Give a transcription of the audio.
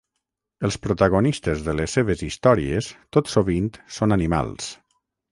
Els protagonistes de les seves històries tot sovint són animals.